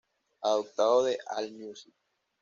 Adaptado de Allmusic.